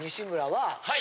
はい！